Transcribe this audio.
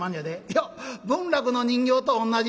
「よっ文楽の人形と同じ！」。